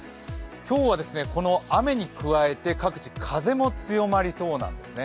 今日は雨に加えて各地、風も強まりそうなんですね。